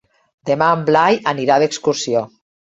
Demà en Blai anirà d'excursió.